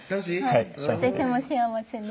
はい私も幸せです